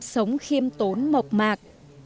sống khiêm tốn mộc mạc